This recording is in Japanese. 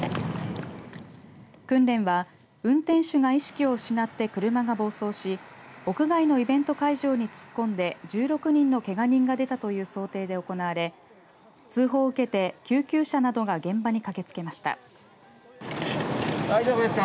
訓練は、運転手が意識を失って車が暴走し屋外のイベント会場に突っ込んで１６人のけが人が出たという想定で行われ通報を受けて救急車などが現場に駆けつけました。